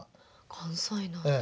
関西なんだ。